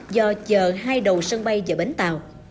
do chờ hai đầu sân bay và bến tàu